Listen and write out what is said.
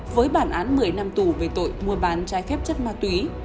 với bản án một mươi năm tù về tội mua bán trái phép chất ma túy